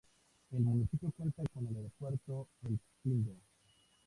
El municipio cuenta con el Aeropuerto El Pindo.